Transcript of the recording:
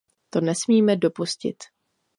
To nesmíme dopustit!